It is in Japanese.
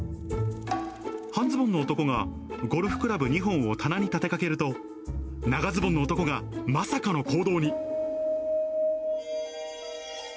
半ズボンの男がゴルフクラブ２本を棚に立てかけると、長ズボンの男がまさかの行動に。